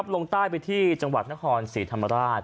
ลงใต้ไปที่จังหวัดนครศรีธรรมราช